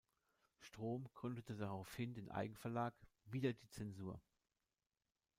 Strohm gründete daraufhin den Eigenverlag "Wider die Zensur.